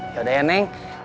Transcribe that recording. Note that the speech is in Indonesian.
yaudah ya neng